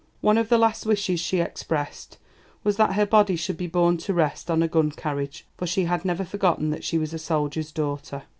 One of the last wishes she expressed was that her body should be borne to rest on a gun carriage, for she had never forgotten that she was a soldier's daughter.